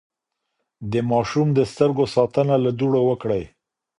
د ماشوم د سترګو ساتنه له دوړو وکړئ.